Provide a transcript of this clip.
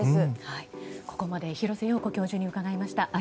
ここまで廣瀬陽子教授に伺いました。